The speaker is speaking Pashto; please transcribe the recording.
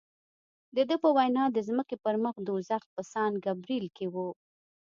د ده په وینا د ځمکې پر مخ دوزخ په سان ګبرېل کې و.